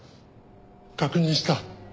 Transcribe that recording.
確認した。